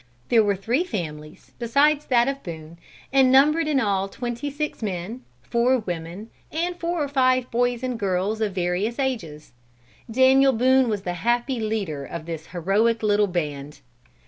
There were three families besides that of Boone, and numbered in all twenty six men, four women, and four or five boys and girls of various ages. Daniel Boone was the happy leader of this heroic little band.